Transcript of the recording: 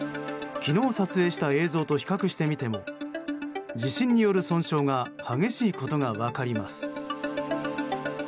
昨日、撮影した映像と比較してみても地震による損傷が激しいことが分かります。